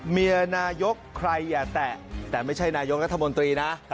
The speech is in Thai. เมียนายกใครอย่าแตะแต่ไม่ใช่นายกรัฐมนตรีนะ